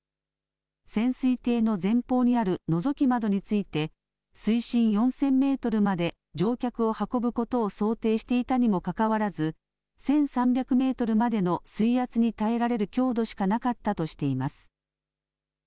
潜水艇の前方にあるのぞき窓について水深４０００メートルまで乗客を運ぶことを想定していたにもかかわらず１３００メートルまでの水圧に耐えられる強度しかなかったとしています。